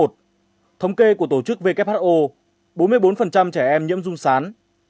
thống kê của tổ chức who bốn mươi bốn trẻ em nhiễm rung sán